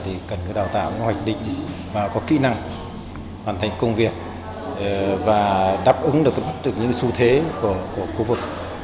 định và có kỹ năng hoàn thành công việc và đáp ứng được những xu thế của khu vực